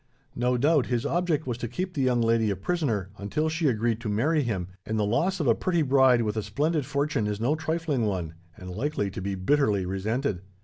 No doubt, his object was to keep the young lady a prisoner, until she agreed to marry him, and the loss of a pretty bride with a splendid fortune is no trifling one, and likely to be bitterly resented.